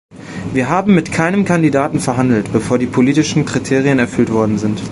Wir haben mit keinem Kandidaten verhandelt, bevor die politischen Kriterien erfüllt worden sind.